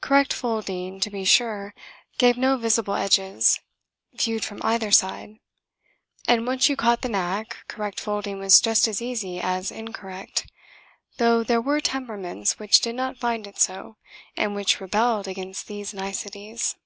Correct folding, to be sure, gave no visible edges, viewed from either side; and, once you caught the knack, correct folding was just as easy as incorrect though there were temperaments which did not find it so and which rebelled against these niceties.